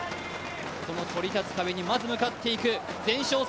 そのそり立つ壁にまず向かっていく前哨戦。